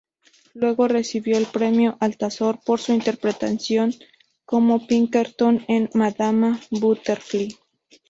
Luego recibió el premio Altazor por su interpretación como Pinkerton en "Madama Butterfly".